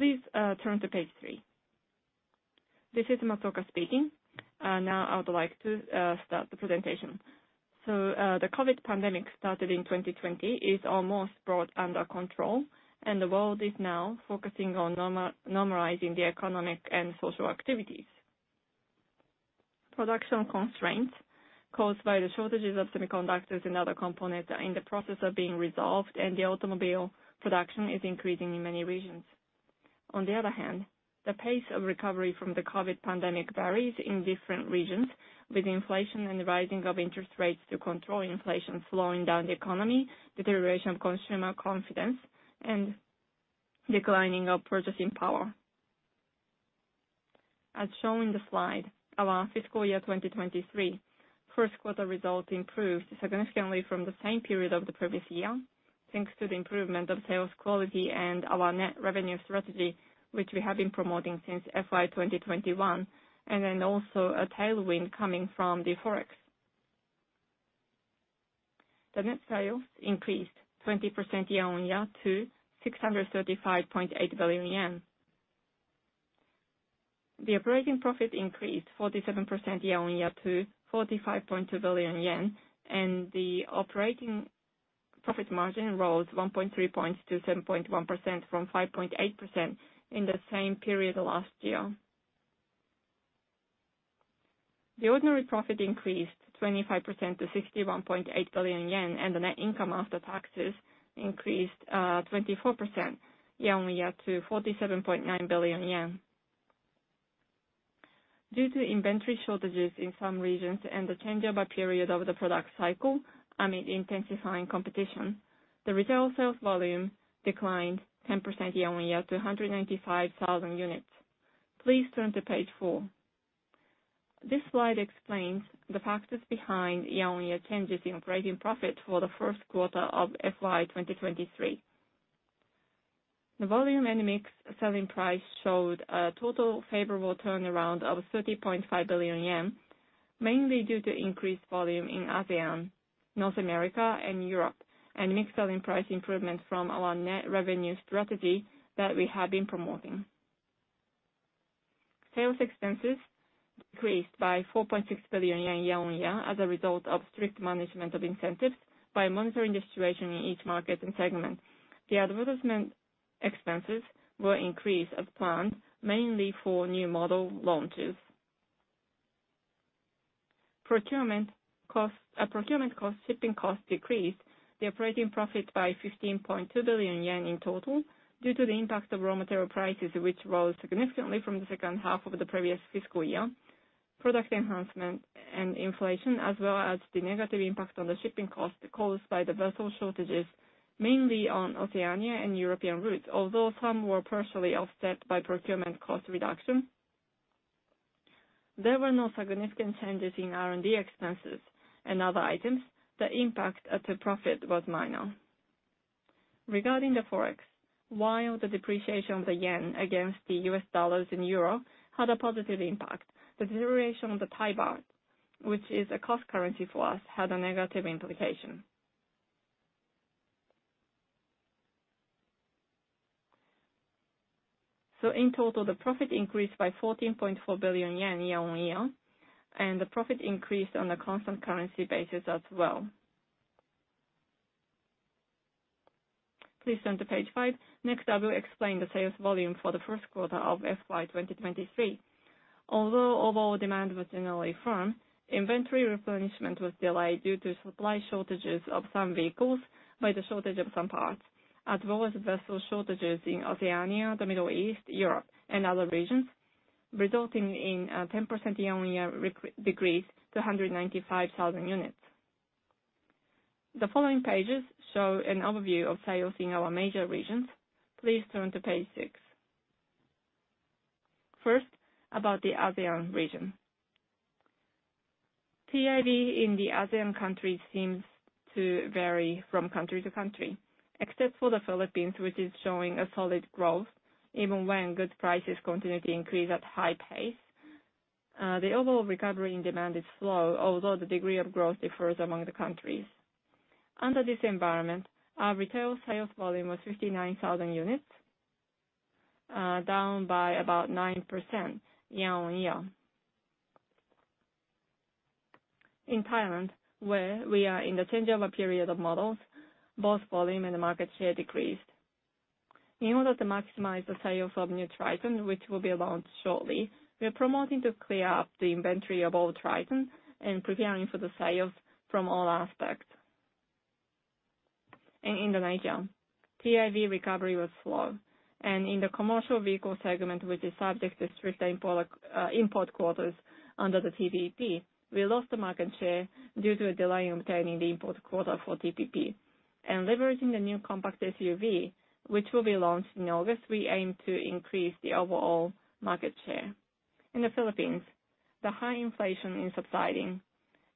Please turn to page three. This is Matsuoka speaking. Now I would like to start the presentation. The COVID pandemic started in 2020, is almost brought under control, and the world is now focusing on normalizing the economic and social activities. Production constraints caused by the shortages of semiconductors and other components are in the process of being resolved, and the automobile production is increasing in many regions. The pace of recovery from the COVID pandemic varies in different regions, with inflation and the rising of interest rates to controlling inflation, slowing down the economy, deterioration of consumer confidence, and declining of purchasing power. As shown in the slide, our fiscal year 2023 first quarter results improved significantly from the same period of the previous year, thanks to the improvement of sales quality and our net revenue strategy, which we have been promoting since FY 2021. Also a tailwind coming from the Forex. Net sales increased 20% year-on-year to 635.8 billion yen. Operating profit increased 47% year-on-year to 45.2 billion yen, and the operating profit margin rose 1.3 points to 7.1% from 5.8% in the same period last year. Ordinary profit increased 25% to 61.8 billion yen. Net income after taxes increased 24% year-on-year to 47.9 billion yen. Due to inventory shortages in some regions and the change of a period of the product cycle amid intensifying competition, the retail sales volume declined 10% year-on-year to 195,000 units. Please turn to page four. This slide explains the factors behind year-on-year changes in operating profit for the first quarter of FY 2023. The volume and mix selling price showed a total favorable turnaround of 30.5 billion yen, mainly due to increased volume in ASEAN, North America, and Europe, and mix selling price improvement from our net revenue strategy that we have been promoting. Sales expenses decreased by 4.6 billion yen year-on-year as a result of strict management of incentives by monitoring the situation in each market and segment. The advertisement expenses were increased as planned, mainly for new model launches. Procurement cost, shipping costs decreased the operating profit by 15.2 billion yen in total due to the impact of raw material prices, which rose significantly from the second half of the previous fiscal year. Product enhancement and inflation, as well as the negative impact on the shipping cost caused by the vessel shortages, mainly on Oceania and European routes, although some were partially offset by procurement cost reduction. There were no significant changes in R&D expenses and other items. The impact at a profit was minor. Regarding the Forex, while the depreciation of the yen against the U.S. dollars and euro had a positive impact, the deterioration of the Thai baht, which is a cost currency for us, had a negative implication. In total, the profit increased by 14.4 billion yen year-on-year, and the profit increased on a constant currency basis as well. Please turn to page five. Next, I will explain the sales volume for the first quarter of FY 2023. Although overall demand was generally firm, inventory replenishment was delayed due to supply shortages of some vehicles by the shortage of some parts, as well as vessel shortages in Oceania, the Middle East, Europe, and other regions, resulting in a 10% year-on-year decrease to 195,000 units. The following pages show an overview of sales in our major regions. Please turn to page six. First, about the ASEAN region. PIV in the ASEAN countries seems to vary from country to country. Except for the Philippines, which is showing a solid growth even when goods prices continue to increase at high pace. The overall recovery in demand is slow, although the degree of growth differs among the countries. Under this environment, our retail sales volume was 59,000 units, down by about 9% year-on-year. In Thailand, where we are in the change of a period of models, both volume and the market share decreased. In order to maximize the sales of new Triton, which will be launched shortly, we are promoting to clear up the inventory of old Triton and preparing for the sales from all aspects. In Indonesia, PIV recovery was slow, and in the commercial vehicle segment, which is subject to strict import quotas under the TPP, we lost the market share due to a delay in obtaining the import quota for TPP. Leveraging the new compact SUV, which will be launched in August, we aim to increase the overall market share. In the Philippines, the high inflation is subsiding,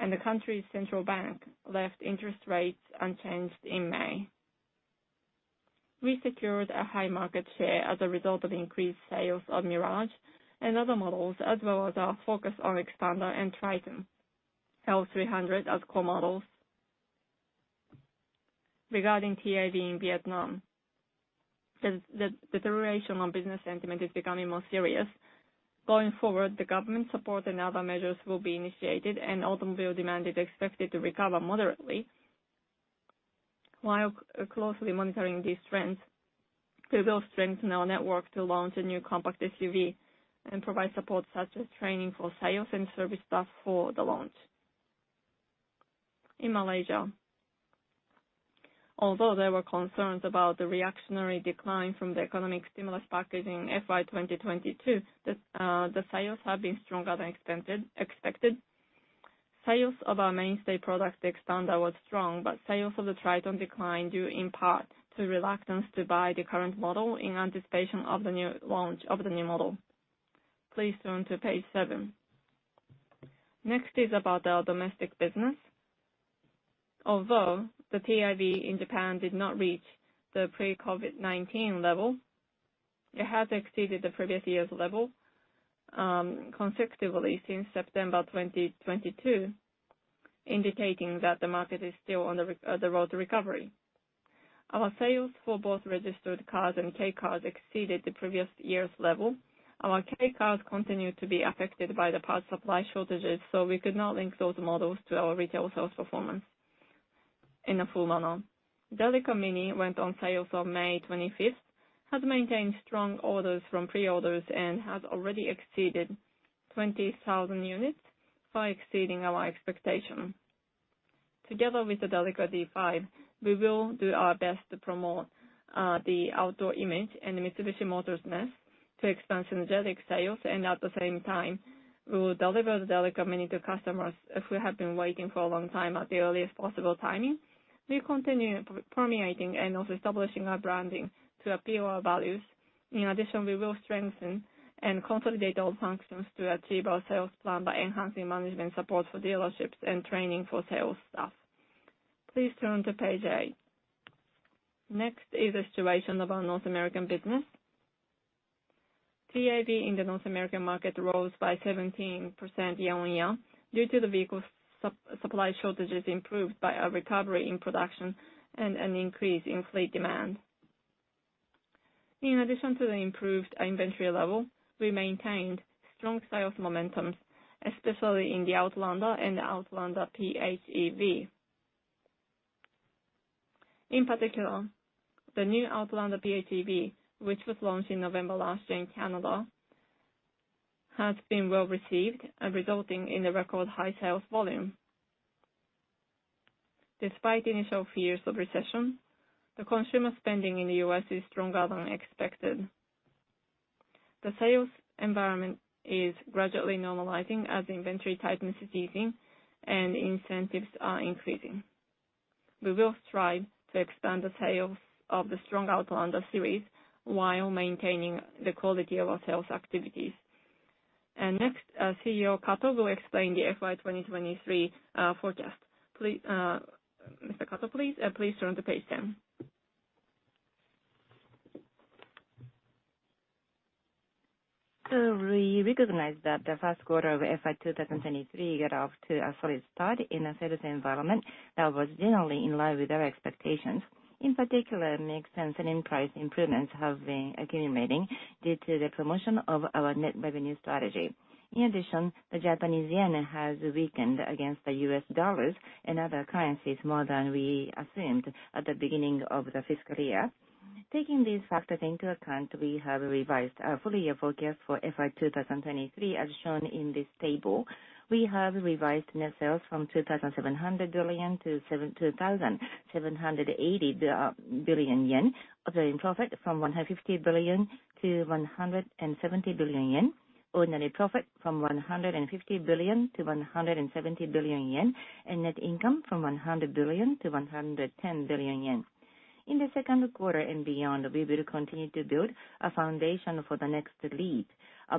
and the country's central bank left interest rates unchanged in May. We secured a high market share as a result of increased sales of Mirage and other models, as well as our focus on Xpander and Triton, L300 as core models. Regarding TIV in Vietnam, the deterioration on business sentiment is becoming more serious. Going forward, the government support and other measures will be initiated, and automobile demand is expected to recover moderately. While closely monitoring these trends, we will strengthen our network to launch a new compact SUV and provide support, such as training for sales and service staff for the launch. In Malaysia, although there were concerns about the reactionary decline from the economic stimulus package in FY 2022, the sales have been stronger than expected. Sales of our mainstay product, the Xpander, was strong, but sales of the Triton declined, due in part to reluctance to buy the current model in anticipation of the new launch of the new model. Please turn to page seven. About our domestic business. Although the TIV in Japan did not reach the pre-COVID-19 level, it has exceeded the previous year's level, consecutively since September 2022, indicating that the market is still on the road to recovery. Our sales for both registered cars and K-cars exceeded the previous year's level. Our K-cars continued to be affected by the parts supply shortages, so we could not link those models to our retail sales performance in a full manner. Delica Mini went on sales on May 25th, has maintained strong orders from pre-orders, and has already exceeded 20,000 units, far exceeding our expectation. Together with the Delica D:5, we will do our best to promote the outdoor image and Mitsubishi Motors-ness to expand synergetic sales. At the same time, we will deliver the Delica Mini to customers who have been waiting for a long time at the earliest possible timing. We continue permeating and also establishing our branding to appeal our values. In addition, we will strengthen and consolidate all functions to achieve our sales plan by enhancing management support for dealerships and training for sales staff. Please turn to page eight. Next is the situation of our North American business. TIV in the North American market rose by 17% year-on-year, due to the vehicle supply shortages improved by a recovery in production and an increase in fleet demand. In addition to the improved inventory level, we maintained strong sales momentums, especially in the Outlander and the Outlander PHEV. In particular, the new Outlander PHEV, which was launched in November last year in Canada, has been well received, resulting in a record high sales volume. Despite initial fears of recession, the consumer spending in the U.S. is stronger than expected. The sales environment is gradually normalizing as inventory tightness is easing and incentives are increasing. We will strive to expand the sales of the strong Outlander series while maintaining the quality of our sales activities. Next, CEO Kato will explain the FY 2023 forecast. Please, Mr. Kato, please. Please turn to page 10. We recognize that the first quarter of FY 2023 got off to a solid start in a sales environment that was generally in line with our expectations. In particular, mix and selling price improvements have been accumulating due to the promotion of our net revenue strategy. In addition, the Japanese yen has weakened against the U.S. dollars and other currencies more than we assumed at the beginning of the fiscal year. Taking these factors into account, we have revised our full year forecast for FY 2023, as shown in this table. We have revised net sales from 2,700 billion-2,780 billion yen. Operating profit from 150 billion-170 billion yen, ordinary profit from 150 billion-170 billion yen, and net income from 100 billion-110 billion yen. In the second quarter and beyond, we will continue to build a foundation for the next leap,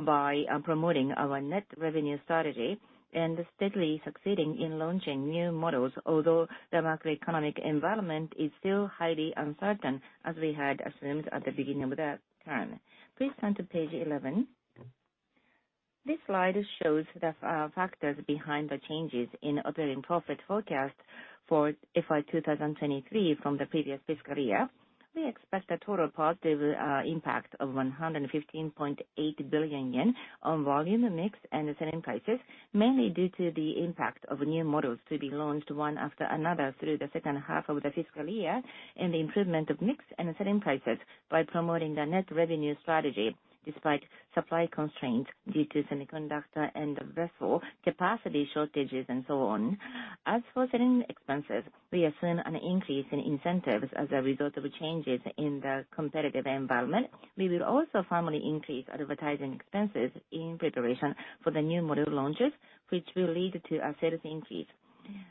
by promoting our net revenue strategy and steadily succeeding in launching new models, although the macroeconomic environment is still highly uncertain, as we had assumed at the beginning of the term. Please turn to page 11. This slide shows the factors behind the changes in operating profit forecast for FY 2023 from the previous fiscal year. We expect a total positive impact of 115.8 billion yen on volume, mix, and selling prices, mainly due to the impact of new models to be launched one after another through the second half of the fiscal year, and the improvement of mix and selling prices by promoting the net revenue strategy, despite supply constraints due to semiconductor and vessel capacity shortages, and so on. As for selling expenses, we assume an increase in incentives as a result of changes in the competitive environment. We will also firmly increase advertising expenses in preparation for the new model launches, which will lead to a sales increase.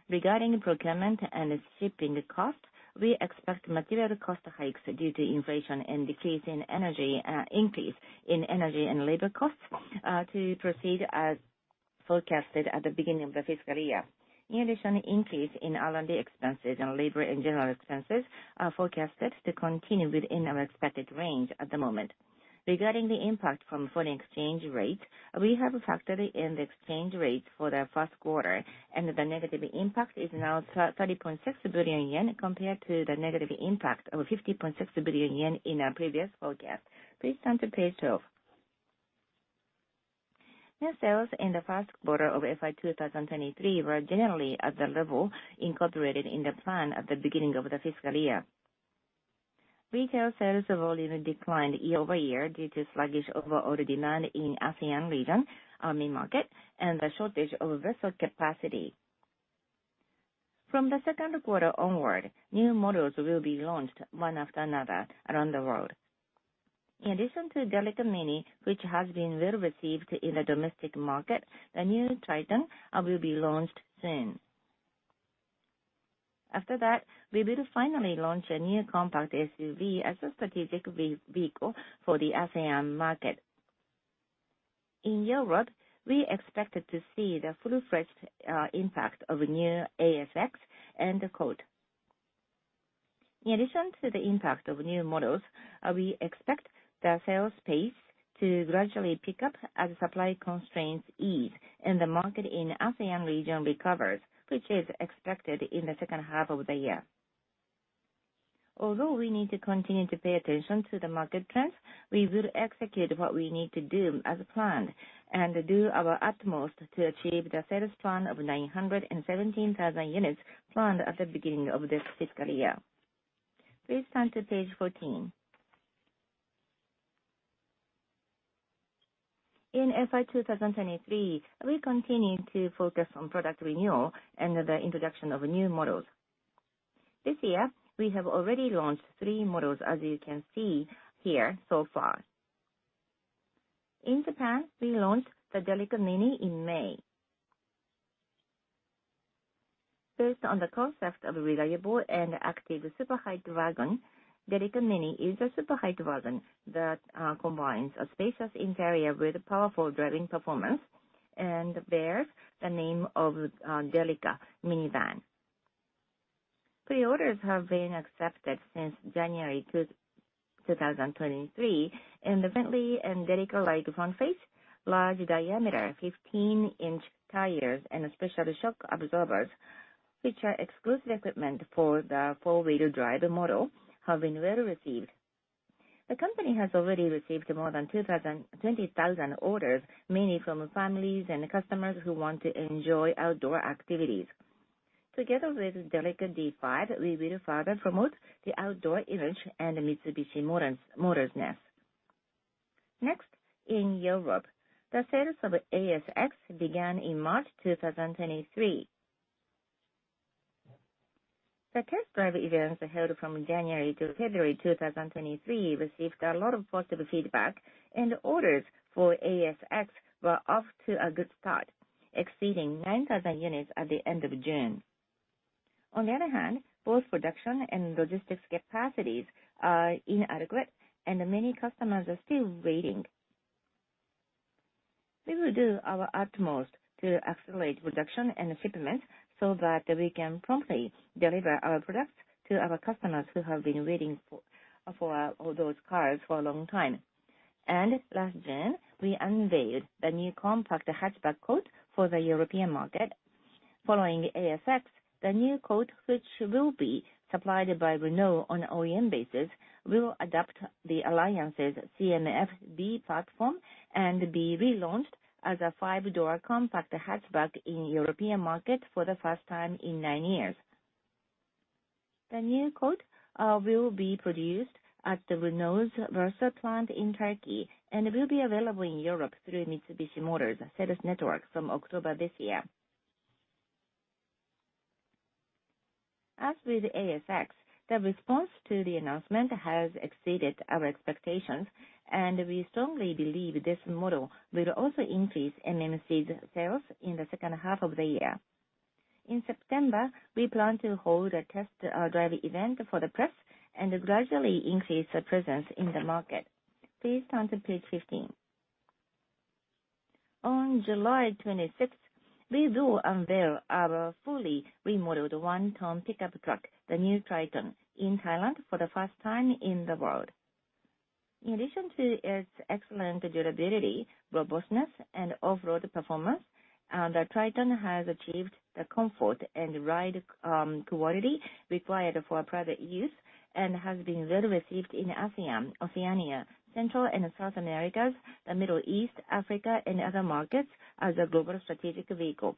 Regarding procurement and shipping costs, we expect material cost hikes due to inflation and increase in energy and labor costs to proceed as forecasted at the beginning of the fiscal year. Increase in R&D expenses and labor and general expenses are forecasted to continue within our expected range at the moment. Regarding the impact from foreign exchange rate, we have factored in the exchange rate for the first quarter, and the negative impact is now 30.6 billion yen, compared to the negative impact of 50.6 billion yen in our previous forecast. Please turn to page two. Net sales in the first quarter of FY 2023 were generally at the level incorporated in the plan at the beginning of the fiscal year. Retail sales volume declined year-over-year due to sluggish overall demand in ASEAN region, our main market, and the shortage of vessel capacity. From the second quarter onward, new models will be launched one after another around the world. In addition to Delica Mini, which has been well received in the domestic market, the new Triton will be launched soon. After that, we will finally launch a new compact SUV as a strategic vehicle for the ASEAN market. In Europe, we expected to see the full fresh impact of new ASX and the Colt. In addition to the impact of new models, we expect the sales pace to gradually pick up as supply constraints ease and the market in ASEAN region recovers, which is expected in the second half of the year. Although we need to continue to pay attention to the market trends, we will execute what we need to do as planned, and do our utmost to achieve the sales plan of 917,000 units planned at the beginning of this fiscal year. Please turn to page 14. In FY 2023, we continued to focus on product renewal and the introduction of new models. This year, we have already launched three models, as you can see here so far. In Japan, we launched the Delica Mini in May. Based on the concept of reliable and active super height wagon, Delica Mini is a super height wagon that combines a spacious interior with a powerful driving performance, and bears the name of Delica Minivan. Pre-orders have been accepted since January 2, 2023, and the friendly and Delica-like front face, large diameter 15-inch tires, and special shock absorbers, which are exclusive equipment for the four-wheel drive model, have been well received. The company has already received more than 20,000 orders, mainly from families and customers who want to enjoy outdoor activities. Together with Delica D:5, we will further promote the outdoor image and the Mitsubishi Motors-ness. Next, in Europe, the sales of ASX began in March 2023. The test drive events held from January to February 2023 received a lot of positive feedback, and orders for ASX were off to a good start, exceeding 9,000 units at the end of June. On the other hand, both production and logistics capacities are inadequate, and many customers are still waiting. We will do our utmost to accelerate production and shipment so that we can promptly deliver our products to our customers who have been waiting for all those cars for a long time. Last June, we unveiled the new compact hatchback Colt for the European market. Following ASX, the new Colt, which will be supplied by Renault on OEM basis, will adopt the alliance's CMF-B platform and be relaunched as a five-door compact hatchback in European market for the first time in nine years. The new Colt will be produced at the Renault's Bursa plant in Turkey, and will be available in Europe through Mitsubishi Motors sales network from October this year. As with ASX, the response to the announcement has exceeded our expectations, and we strongly believe this model will also increase MMC's sales in the second half of the year. In September, we plan to hold a test drive event for the press and gradually increase the presence in the market. Please turn to page 15. On July 26th, we will unveil our fully remodeled 1-ton pickup truck, the new Triton, in Thailand for the first time in the world. In addition to its excellent durability, robustness, and off-road performance, the Triton has achieved the comfort and ride quality required for private use, and has been well received in ASEAN, Oceania, Central and South Americas, the Middle East, Africa, and other markets as a global strategic vehicle.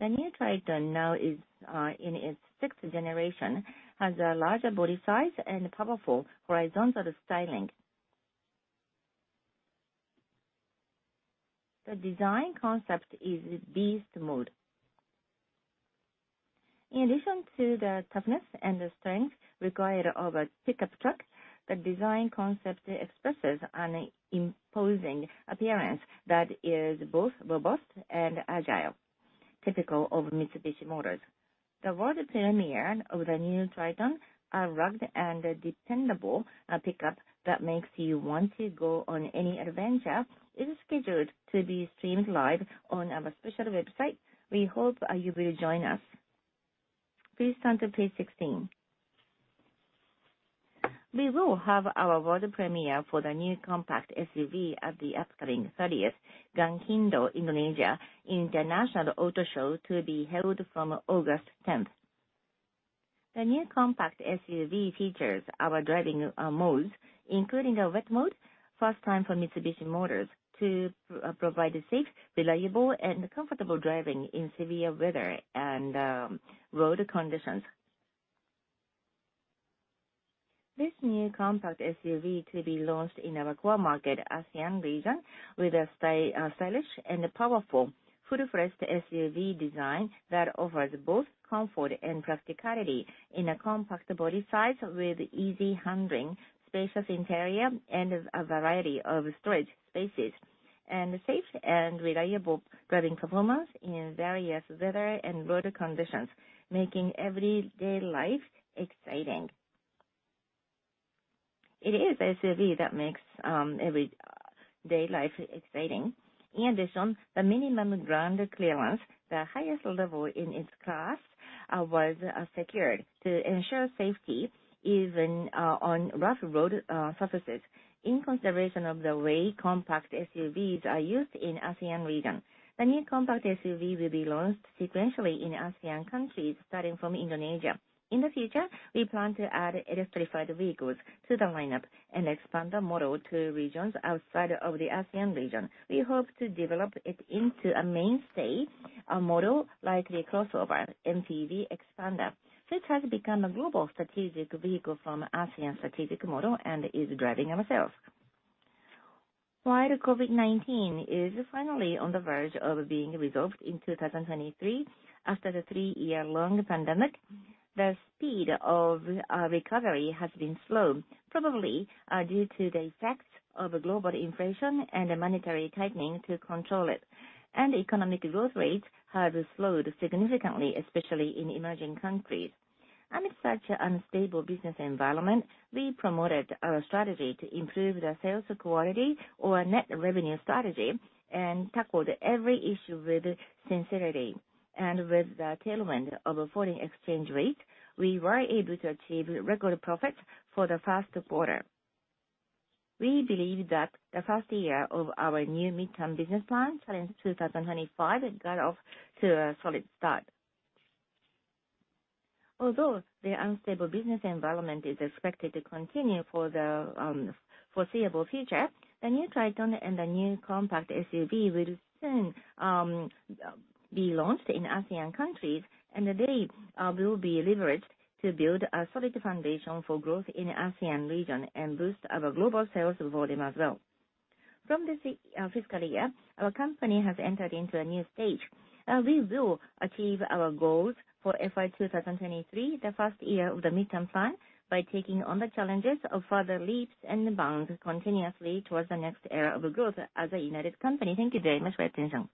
The new Triton now is in its sixth generation, has a larger body size and powerful horizontal styling. The design concept is Beast Mode. In addition to the toughness and the strength required of a pickup truck, the design concept expresses an imposing appearance that is both robust and agile, typical of Mitsubishi Motors. The world premiere of the new Triton, a rugged and dependable pickup that makes you want to go on any adventure, is scheduled to be streamed live on our special website. We hope you will join us. Please turn to page 16. We will have our world premiere for the new compact SUV at the upcoming 30th GAIKINDO Indonesia International Auto Show to be held from August 10th. The new compact SUV features our driving modes, including the Wet mode, first time for Mitsubishi Motors, to provide a safe, reliable, and comfortable driving in severe weather and road conditions. This new compact SUV to be launched in our core market, ASEAN region, with a stylish and powerful full-fledged SUV design that offers both comfort and practicality in a compact body size with easy handling, spacious interior, and a variety of storage spaces, and safe and reliable driving performance in various weather and road conditions, making everyday life exciting. It is SUV that makes everyday life exciting. In addition, the minimum ground clearance, the highest level in its class, was secured to ensure safety even on rough road surfaces in consideration of the way compact SUVs are used in ASEAN region. The new compact SUV will be launched sequentially in ASEAN countries starting from Indonesia. In the future, we plan to add electrified vehicles to the lineup and expand the model to regions outside of the ASEAN region. We hope to develop it into a mainstay, a model like the crossover MPV Xpander, which has become a global strategic vehicle from ASEAN strategic model and is driving our sales. While the COVID-19 is finally on the verge of being resolved in 2023 after the three-year-long pandemic, the speed of recovery has been slow, probably due to the effects of global inflation and the monetary tightening to control it. Economic growth rates have slowed significantly, especially in emerging countries. Amidst such an unstable business environment, we promoted our strategy to improve the sales quality or net revenue strategy, and tackled every issue with sincerity. With the tailwind of foreign exchange rate, we were able to achieve record profits for the first quarter. We believe that the first year of our new midterm business plan, Challenge 2025, got off to a solid start. Although the unstable business environment is expected to continue for the foreseeable future, the new Triton and the new compact SUV will soon be launched in ASEAN countries, and they will be leveraged to build a solid foundation for growth in the ASEAN region and boost our global sales volume as well. From this fiscal year, our company has entered into a new stage. We will achieve our goals for FY 2023, the first year of the midterm plan, by taking on the challenges of further leaps and bounds continuously towards the next era of growth as a united company. Thank you very much for your attention.